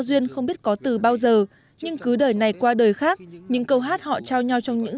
duyên không biết có từ bao giờ nhưng cứ đời này qua đời khác những câu hát họ trao nhau trong những